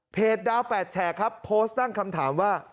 ดาว๘แฉกครับโพสต์ตั้งคำถามว่า